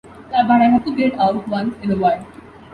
But I have to get out once in a while.